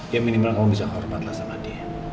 ya minimal kamu bisa hormatlah sama dia